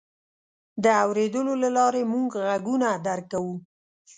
د اورېدلو له لارې موږ غږونه درک کوو.